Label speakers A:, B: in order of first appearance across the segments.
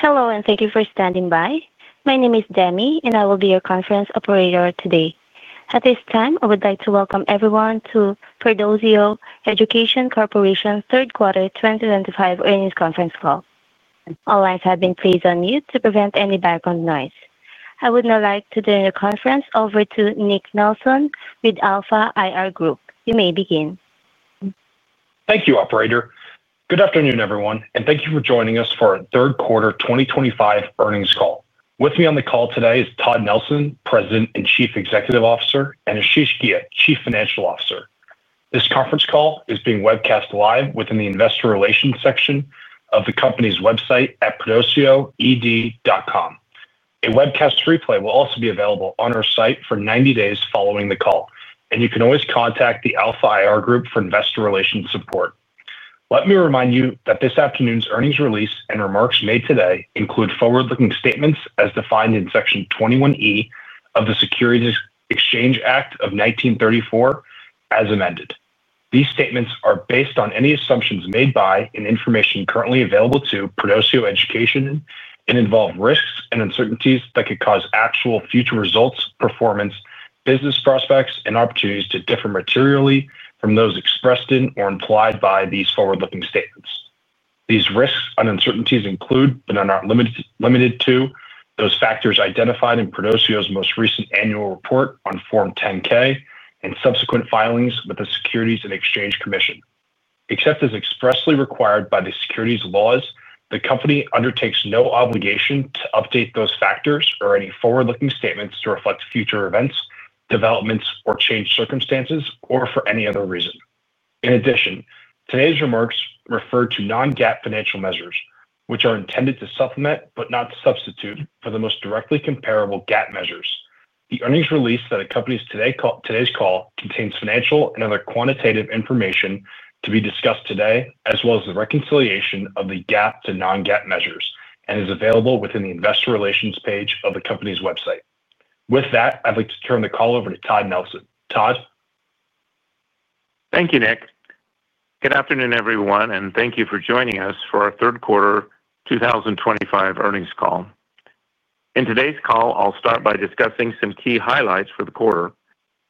A: Hello, and thank you for standing by. My name is Demi, and I will be your conference operator today. At this time, I would like to welcome everyone to Perdoceo Education Corporation's third quarter 2025 earnings conference call. All lines have been placed on mute to prevent any background noise. I would now like to turn the conference over to Nick Nelson with Alpha IR Group. You may begin.
B: Thank you, Operator. Good afternoon, everyone, and thank you for joining us for our third quarter 2025 earnings call. With me on the call today is Todd Nelson, President and Chief Executive Officer, and Ashish Ghia, Chief Financial Officer. This conference call is being webcast live within the investor relations section of the company's website at perdoceo.com. A webcast replay will also be available on our site for 90 days following the call, and you can always contact the Alpha IR Group for investor relations support. Let me remind you that this afternoon's earnings release and remarks made today include forward-looking statements as defined in Section 21E of the Securities Exchange Act of 1934 as amended. These statements are based on any assumptions made by and information currently available to Perdoceo Education and involve risks and uncertainties that could cause actual future results, performance, business prospects, and opportunities to differ materially from those expressed in or implied by these forward-looking statements. These risks and uncertainties include, but are not limited to, those factors identified in Perdoceo's most recent annual report on Form 10-K and subsequent filings with the Securities and Exchange Commission. Except as expressly required by the securities laws, the company undertakes no obligation to update those factors or any forward-looking statements to reflect future events, developments, or changed circumstances, or for any other reason. In addition, today's remarks refer to non-GAAP financial measures, which are intended to supplement but not substitute for the most directly comparable GAAP measures. The earnings release that accompanies today's call contains financial and other quantitative information to be discussed today, as well as the reconciliation of the GAAP to non-GAAP measures, and is available within the investor relations page of the company's website. With that, I'd like to turn the call over to Todd Nelson. Todd.
C: Thank you, Nick. Good afternoon, everyone, and thank you for joining us for our third quarter 2025 earnings call. In today's call, I'll start by discussing some key highlights for the quarter.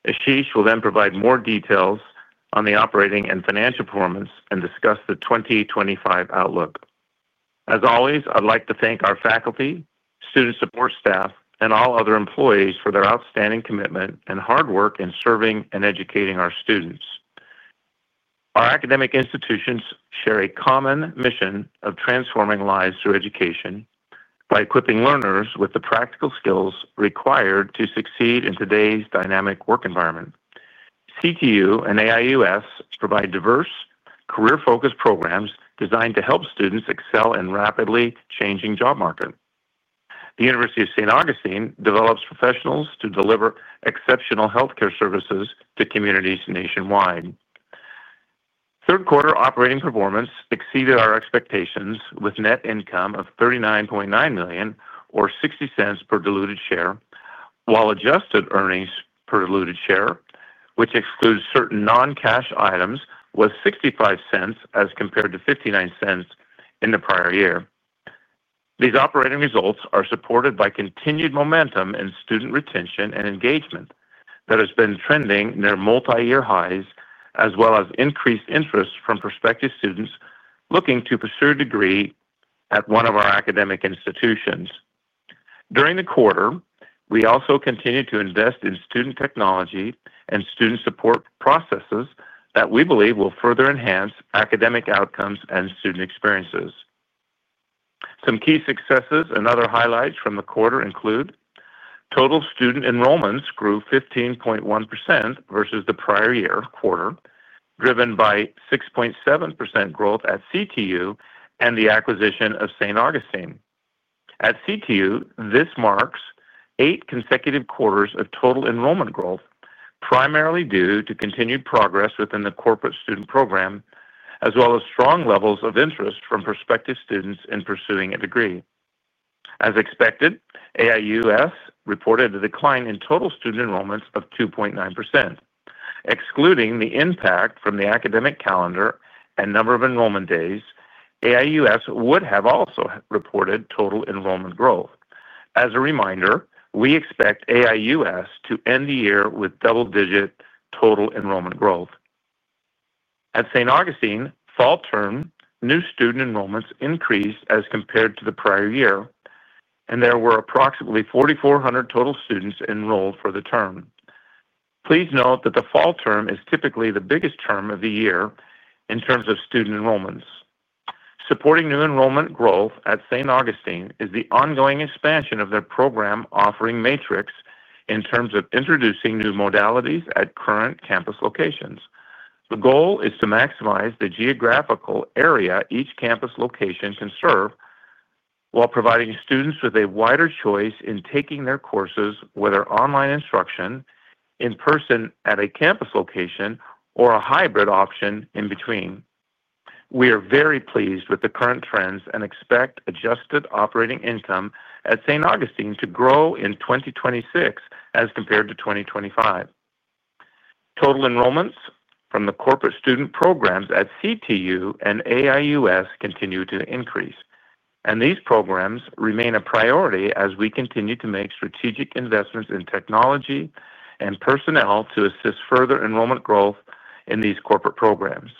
C: Ashish will then provide more details on the operating and financial performance and discuss the 2025 outlook. As always, I'd like to thank our faculty, student support staff, and all other employees for their outstanding commitment and hard work in serving and educating our students. Our academic institutions share a common mission of transforming lives through education by equipping learners with the practical skills required to succeed in today's dynamic work environment. CTU and AIUS provide diverse, career-focused programs designed to help students excel in rapidly changing job markets. The University of St. Augustine develops professionals to deliver exceptional healthcare services to communities nationwide. Third quarter operating performance exceeded our expectations with net income of $39.9 million, or $0.60 per diluted share, while adjusted earnings per diluted share, which excludes certain non-cash items, was $0.65 as compared to $0.59 in the prior year. These operating results are supported by continued momentum in student retention and engagement that has been trending near multi-year highs, as well as increased interest from prospective students looking to pursue a degree at one of our academic institutions. During the quarter, we also continue to invest in student technology and student support processes that we believe will further enhance academic outcomes and student experiences. Some key successes and other highlights from the quarter include. Total student enrollments grew 15.1% versus the prior year quarter, driven by 6.7% growth at CTU and the acquisition of St. Augustine. At CTU, this marks eight consecutive quarters of total enrollment growth, primarily due to continued progress within the corporate student program, as well as strong levels of interest from prospective students in pursuing a degree. As expected, AIUS reported a decline in total student enrollments of 2.9%. Excluding the impact from the academic calendar and number of enrollment days, AIUS would have also reported total enrollment growth. As a reminder, we expect AIUS to end the year with double-digit total enrollment growth. At St. Augustine, fall term, new student enrollments increased as compared to the prior year, and there were approximately 4,400 total students enrolled for the term. Please note that the fall term is typically the biggest term of the year in terms of student enrollments. Supporting new enrollment growth at St. Augustine is the ongoing expansion of their program offering matrix in terms of introducing new modalities at current campus locations. The goal is to maximize the geographical area each campus location can serve. While providing students with a wider choice in taking their courses, whether online instruction, in person at a campus location, or a hybrid option in between. We are very pleased with the current trends and expect adjusted operating income at St. Augustine to grow in 2026 as compared to 2025. Total enrollments from the corporate student programs at CTU and AIUS continue to increase, and these programs remain a priority as we continue to make strategic investments in technology and personnel to assist further enrollment growth in these corporate programs.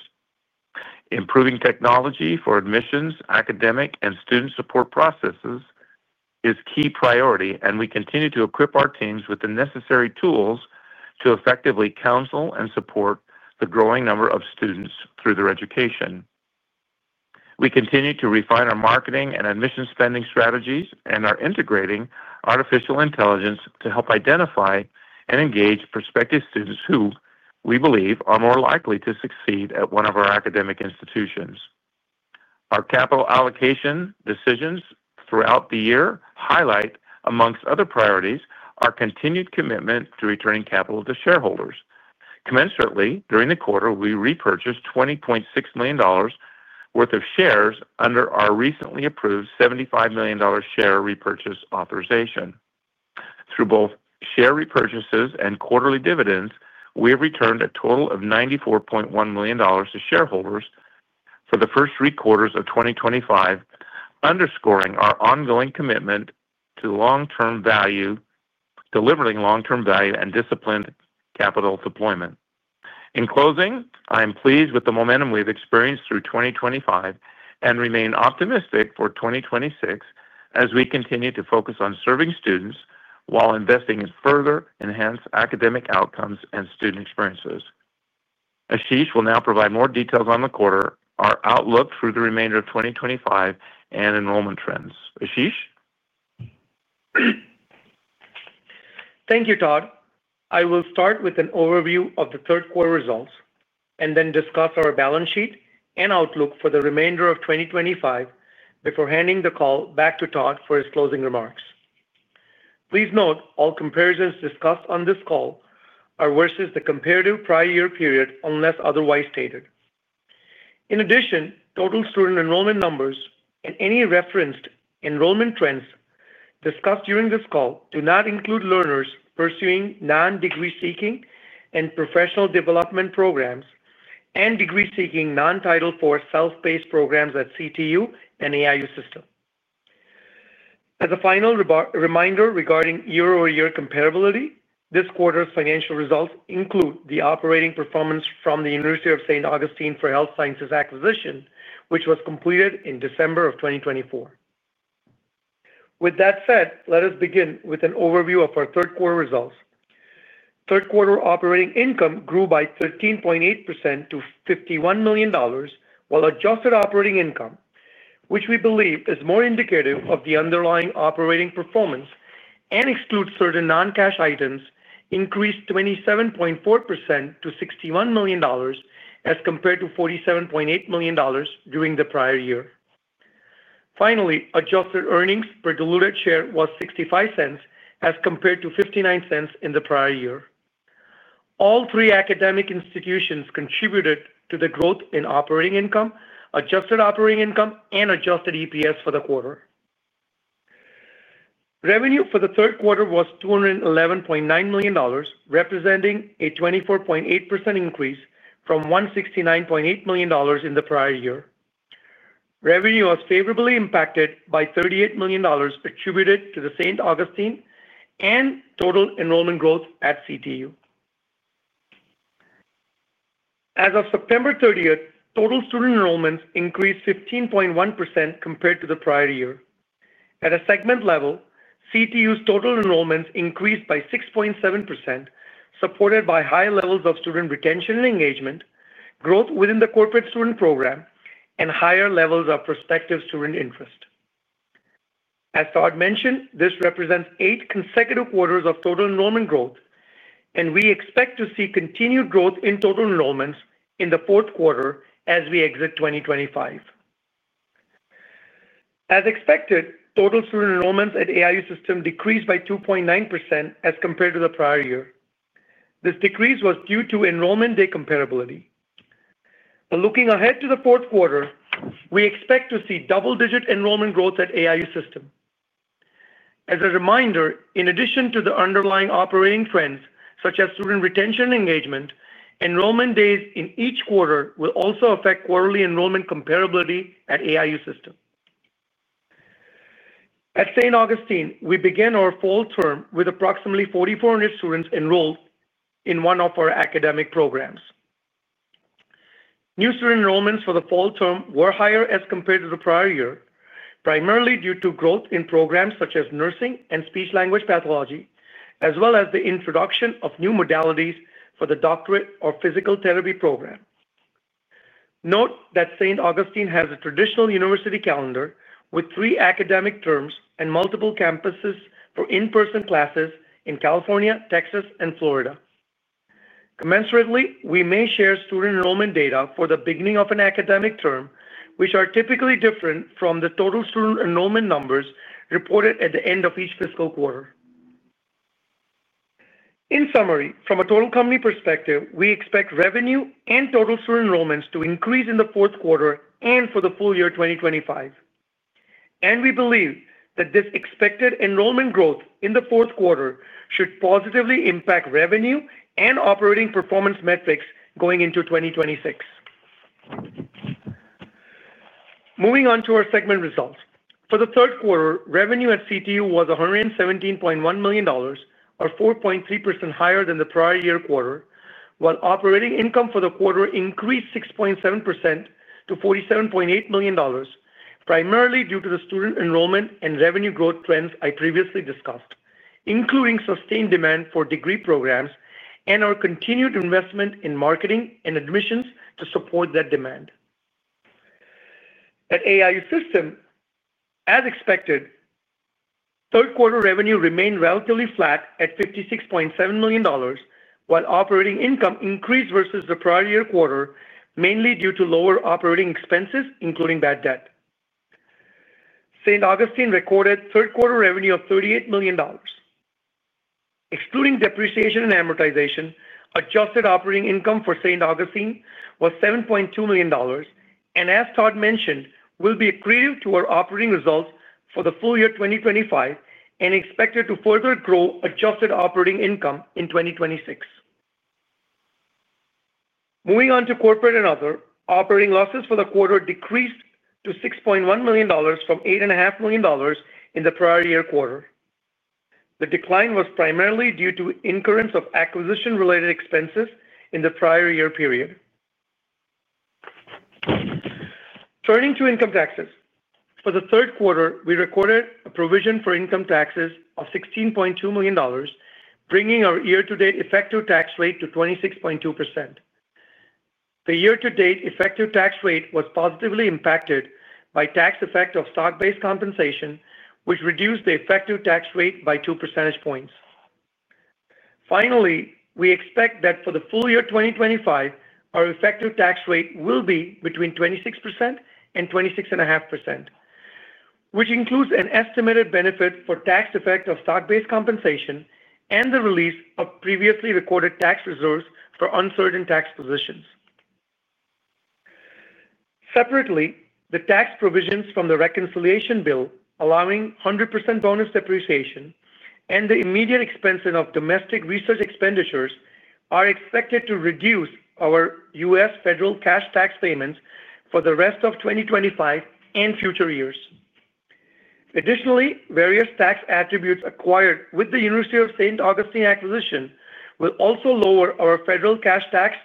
C: Improving technology for admissions, academic, and student support processes is a key priority, and we continue to equip our teams with the necessary tools to effectively counsel and support the growing number of students through their education. We continue to refine our marketing and admissions spending strategies and are integrating artificial intelligence to help identify and engage prospective students who we believe are more likely to succeed at one of our academic institutions. Our capital allocation decisions throughout the year highlight, amongst other priorities, our continued commitment to returning capital to shareholders. Commensurately, during the quarter, we repurchased $20.6 million worth of shares under our recently approved $75 million share repurchase authorization. Through both share repurchases and quarterly dividends, we have returned a total of $94.1 million to shareholders for the first three quarters of 2025. Underscoring our ongoing commitment to long-term value, delivering long-term value and disciplined capital deployment. In closing, I am pleased with the momentum we've experienced through 2025 and remain optimistic for 2026 as we continue to focus on serving students while investing in further enhanced academic outcomes and student experiences. Ashish will now provide more details on the quarter, our outlook through the remainder of 2025, and enrollment trends. Ashish?
D: Thank you, Todd. I will start with an overview of the third quarter results and then discuss our balance sheet and outlook for the remainder of 2025 before handing the call back to Todd for his closing remarks. Please note all comparisons discussed on this call are versus the comparative prior year period unless otherwise stated. In addition, total student enrollment numbers and any referenced enrollment trends discussed during this call do not include learners pursuing non-degree-seeking and professional development programs and degree-seeking non-Title IV self-paced programs at CTU and AIU system. As a final reminder regarding year-over-year comparability, this quarter's financial results include the operating performance from the University of St. Augustine for Health Sciences acquisition, which was completed in December of 2024. With that said, let us begin with an overview of our third quarter results. Third quarter operating income grew by 13.8% to $51 million, while adjusted operating income, which we believe is more indicative of the underlying operating performance and excludes certain non-cash items, increased 27.4% to $61 million as compared to $47.8 million during the prior year. Finally, adjusted earnings per diluted share was $0.65 as compared to $0.59 in the prior year. All three academic institutions contributed to the growth in operating income, adjusted operating income, and adjusted EPS for the quarter. Revenue for the third quarter was $211.9 million, representing a 24.8% increase from $169.8 million in the prior year. Revenue was favorably impacted by $38 million attributed to the St. Augustine and total enrollment growth at CTU. As of September 30th, total student enrollments increased 15.1% compared to the prior year. At a segment level, CTU's total enrollments increased by 6.7%, supported by high levels of student retention and engagement, growth within the corporate student program, and higher levels of prospective student interest. As Todd mentioned, this represents eight consecutive quarters of total enrollment growth, and we expect to see continued growth in total enrollments in the fourth quarter as we exit 2025. As expected, total student enrollments at AIU system decreased by 2.9% as compared to the prior year. This decrease was due to enrollment day comparability. Looking ahead to the fourth quarter, we expect to see double-digit enrollment growth at AIU system. As a reminder, in addition to the underlying operating trends, such as student retention and engagement, enrollment days in each quarter will also affect quarterly enrollment comparability at AIU system. At St. Augustine, we began our fall term with approximately 4,400 students enrolled in one of our academic programs. New student enrollments for the fall term were higher as compared to the prior year, primarily due to growth in programs such as nursing and speech-language pathology, as well as the introduction of new modalities for the Doctor of Physical Therapy program. Note that St. Augustine has a traditional university calendar with three academic terms and multiple campuses for in-person classes in California, Texas, and Florida. Commensurately, we may share student enrollment data for the beginning of an academic term, which are typically different from the total student enrollment numbers reported at the end of each fiscal quarter. In summary, from a total company perspective, we expect revenue and total student enrollments to increase in the fourth quarter and for the full year 2025, and we believe that this expected enrollment growth in the fourth quarter should positively impact revenue and operating performance metrics going into 2026. Moving on to our segment results. For the third quarter, revenue at CTU was $117.1 million, or 4.3% higher than the prior year quarter, while operating income for the quarter increased 6.7% to $47.8 million, primarily due to the student enrollment and revenue growth trends I previously discussed, including sustained demand for degree programs and our continued investment in marketing and admissions to support that demand. At AIU system, as expected, third quarter revenue remained relatively flat at $56.7 million, while operating income increased versus the prior year quarter, mainly due to lower operating expenses, including bad debt. St. Augustine recorded third quarter revenue of $38 million. Excluding depreciation and amortization, adjusted operating income for St. Augustine was $7.2 million, and as Todd mentioned, will be accretive to our operating results for the full year 2025 and expected to further grow adjusted operating income in 2026. Moving on to corporate and other, operating losses for the quarter decreased to $6.1 million from $8.5 million in the prior year quarter. The decline was primarily due to incurrence of acquisition-related expenses in the prior year period. Turning to income taxes. For the third quarter, we recorded a provision for income taxes of $16.2 million, bringing our year-to-date effective tax rate to 26.2%. The year-to-date effective tax rate was positively impacted by tax effect of stock-based compensation, which reduced the effective tax rate by two percentage points. Finally, we expect that for the full year 2025, our effective tax rate will be between 26% and 26.5%, which includes an estimated benefit for tax effect of stock-based compensation and the release of previously recorded tax reserves for uncertain tax positions. Separately, the tax provisions from the reconciliation bill, allowing 100% bonus depreciation and the immediate expensing of domestic research expenditures are expected to reduce our U.S. federal cash tax payments for the rest of 2025 and future years. Additionally, various tax attributes acquired with the University of St. Augustine acquisition will also lower our federal cash tax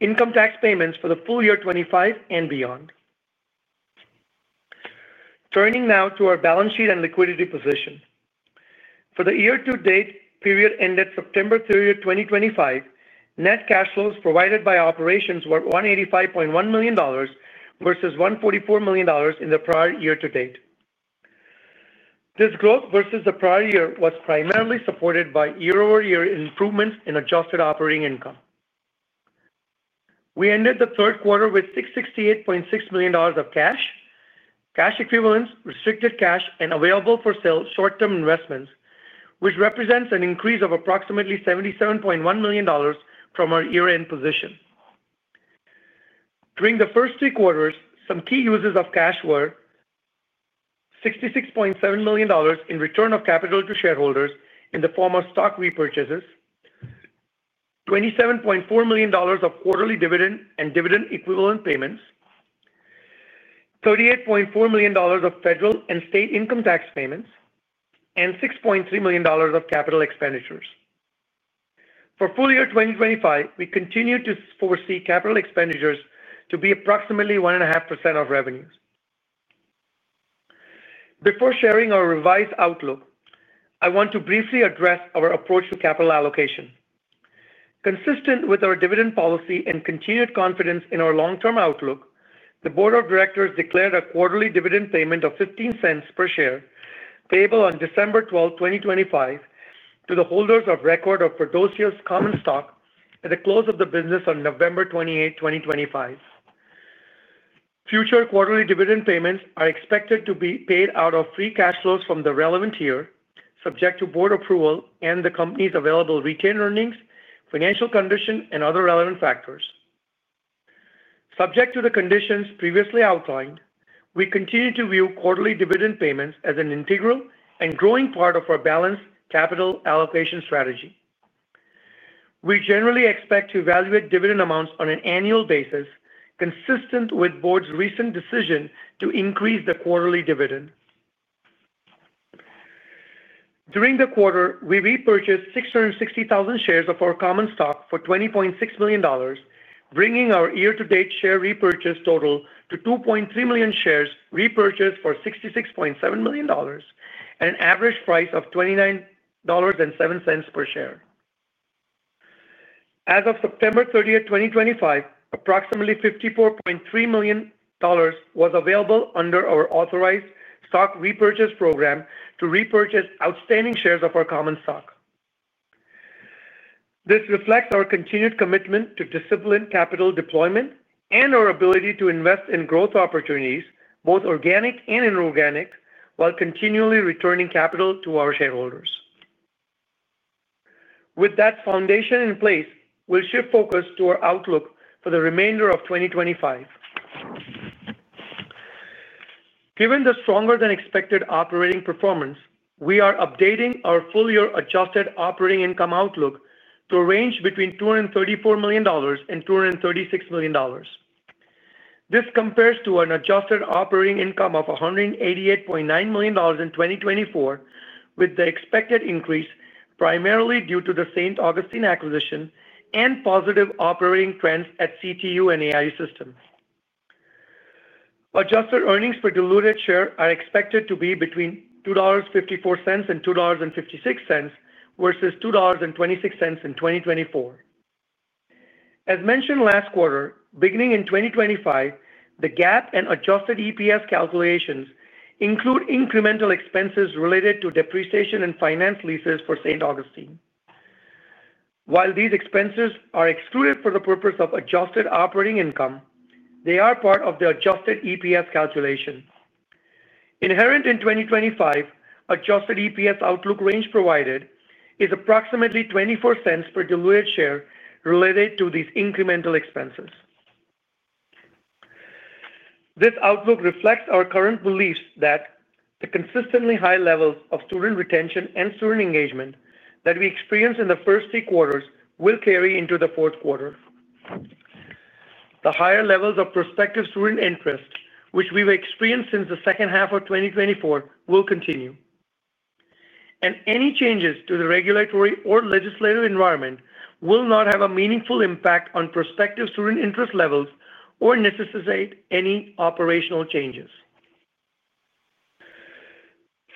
D: income tax payments for the full year 2025 and beyond. Turning now to our balance sheet and liquidity position. For the year-to-date period ended September 30th, 2025, net cash flows provided by operations were $185.1 million versus $144 million in the prior year-to-date. This growth versus the prior year was primarily supported by year-over-year improvements in adjusted operating income. We ended the third quarter with $668.6 million of cash. Cash equivalents, restricted cash, and available-for-sale short-term investments, which represents an increase of approximately $77.1 million from our year-end position. During the first three quarters, some key uses of cash were $66.7 million in return of capital to shareholders in the form of stock repurchases, $27.4 million of quarterly dividend and dividend equivalent payments, $38.4 million of federal and state income tax payments, and $6.3 million of capital expenditures. For full year 2025, we continue to foresee capital expenditures to be approximately 1.5% of revenues. Before sharing our revised outlook, I want to briefly address our approach to capital allocation. Consistent with our dividend policy and continued confidence in our long-term outlook, the Board of Directors declared a quarterly dividend payment of $0.15 per share payable on December 12th, 2025, to the holders of record of Perdoceo's common stock at the close of the business on November 28th, 2025. Future quarterly dividend payments are expected to be paid out of free cash flows from the relevant year, subject to board approval and the company's available retained earnings, financial condition, and other relevant factors. Subject to the conditions previously outlined, we continue to view quarterly dividend payments as an integral and growing part of our balanced capital allocation strategy. We generally expect to evaluate dividend amounts on an annual basis, consistent with the Board's recent decision to increase the quarterly dividend. During the quarter, we repurchased 660,000 shares of our common stock for $20.6 million, bringing our year-to-date share repurchase total to 2.3 million shares repurchased for $66.7 million at an average price of $29.07 per share. As of September 30th, 2025, approximately $54.3 million was available under our authorized stock repurchase program to repurchase outstanding shares of our common stock. This reflects our continued commitment to disciplined capital deployment and our ability to invest in growth opportunities, both organic and inorganic, while continually returning capital to our shareholders. With that foundation in place, we'll shift focus to our outlook for the remainder of 2025. Given the stronger-than-expected operating performance, we are updating our full-year adjusted operating income outlook to a range between $234 million and $236 million. This compares to an adjusted operating income of $188.9 million in 2024, with the expected increase primarily due to the St. Augustine acquisition and positive operating trends at CTU and AIU system. Adjusted earnings per diluted share are expected to be between $2.54 and $2.56 versus $2.26 in 2024. As mentioned last quarter, beginning in 2025, the GAAP and adjusted EPS calculations include incremental expenses related to depreciation and finance leases for St. Augustine. While these expenses are excluded for the purpose of adjusted operating income, they are part of the adjusted EPS calculation. Inherent in 2025, adjusted EPS outlook range provided is approximately $0.24 per diluted share related to these incremental expenses. This outlook reflects our current beliefs that the consistently high levels of student retention and student engagement that we experienced in the first three quarters will carry into the fourth quarter. The higher levels of prospective student interest, which we've experienced since the second half of 2024, will continue, and any changes to the regulatory or legislative environment will not have a meaningful impact on prospective student interest levels or necessitate any operational changes.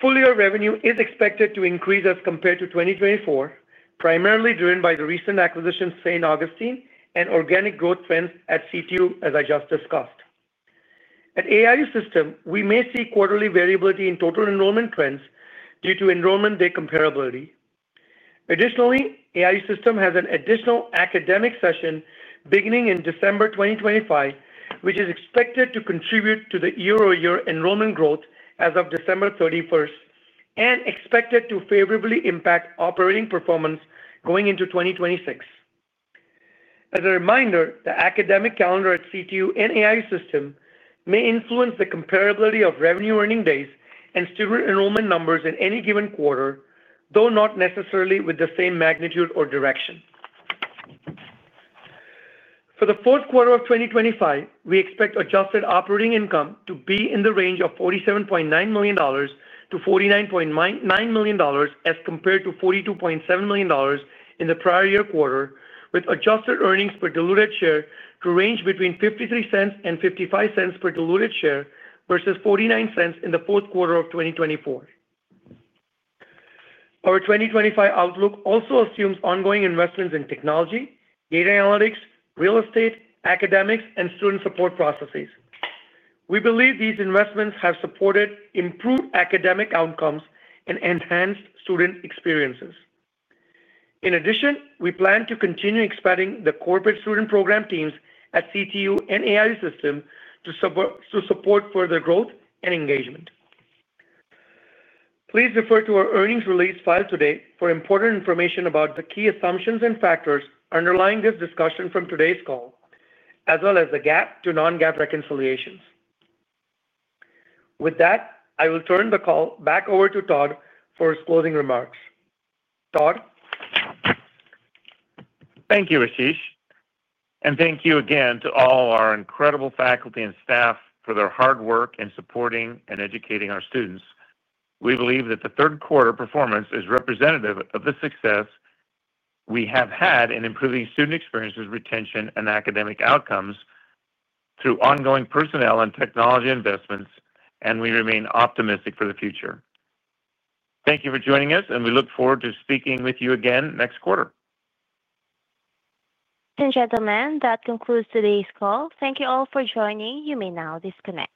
D: Full year revenue is expected to increase as compared to 2024, primarily driven by the recent acquisition of St. Augustine and organic growth trends at CTU, as I just discussed. At AIU system, we may see quarterly variability in total enrollment trends due to enrollment day comparability. Additionally, AIU system has an additional academic session beginning in December 2025, which is expected to contribute to the year-over-year enrollment growth as of December 31st and expected to favorably impact operating performance going into 2026. As a reminder, the academic calendar at CTU and AIU system may influence the comparability of revenue-earning days and student enrollment numbers in any given quarter, though not necessarily with the same magnitude or direction. For the fourth quarter of 2025, we expect adjusted operating income to be in the range of $47.9 million-$49.9 million as compared to $42.7 million in the prior year quarter, with adjusted earnings per diluted share to range between $0.53-$0.55 per diluted share versus $0.49 in the fourth quarter of 2024. Our 2025 outlook also assumes ongoing investments in technology, data analytics, real estate, academics, and student support processes. We believe these investments have supported improved academic outcomes and enhanced student experiences. In addition, we plan to continue expanding the corporate student program teams at CTU and AIU system to support further growth and engagement. Please refer to our earnings release filed today for important information about the key assumptions and factors underlying this discussion from today's call, as well as the GAAP to non-GAAP reconciliations. With that, I will turn the call back over to Todd for his closing remarks. Todd.
C: Thank you, Ashish, and thank you again to all our incredible faculty and staff for their hard work in supporting and educating our students. We believe that the third quarter performance is representative of the success we have had in improving student experiences, retention, and academic outcomes through ongoing personnel and technology investments, and we remain optimistic for the future. Thank you for joining us, and we look forward to speaking with you again next quarter
A: and, gentlemen, that concludes today's call. Thank you all for joining. You may now disconnect.